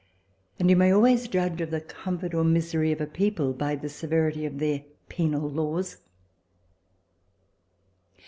And you may always judge of the comfort or misery of a people by the severity of their penal laws.